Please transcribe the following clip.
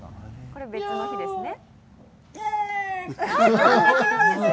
これは別の日ですね。